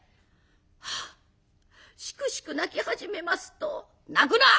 しくしく泣き始めますと「泣くな！